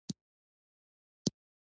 زه شین چای څښم